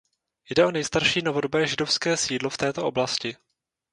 Jde o nejstarší novodobé židovské sídlo v této oblasti.